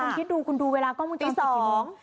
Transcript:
คุณคิดดูคุณดูเวลากล้องมุมจรปิดที่๒